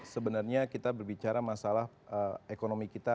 sebenarnya kita berbicara masalah ekonomi kita